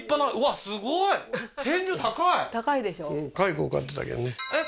蚕を飼ってたけんねえっ？